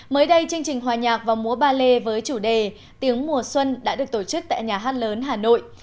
mới đây chương trình hòa nhạc và múa ballet với chủ đề tiếng mùa xuân đã được tổ chức tại nhà hát lớn hà nội